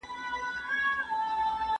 ماشومان د راتلونکي نسل استازي دي.